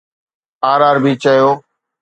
R R B چيو